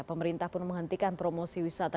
pemerintah pun menghentikan promosi wisata